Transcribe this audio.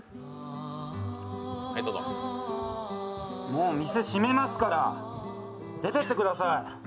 もう店閉めますから出ていってください。